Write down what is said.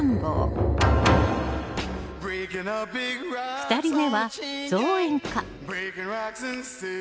２人目は造園家